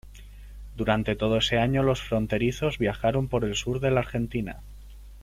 Durante todo ese año Los Fronterizos viajaron por el sur de la Argentina.